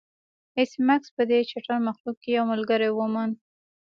ایس میکس په دې چټل مخلوق کې یو ملګری وموند